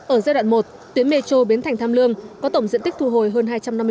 ở giai đoạn một tuyến metro biến thành tham lương có tổng diện tích thu hồi hơn hai trăm năm mươi m hai